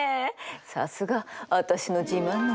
さすが私の自慢の息子！